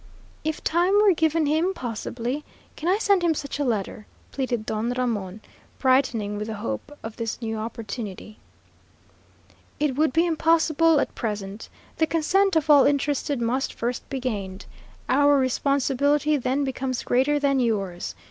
"If time were given him, possibly. Can I send him such a letter?" pleaded Don Ramon, brightening with the hope of this new opportunity. "It would be impossible at present. The consent of all interested must first be gained. Our responsibility then becomes greater than yours.